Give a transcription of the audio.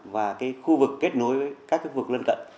và khu vực kết nối với các khu vực lân cận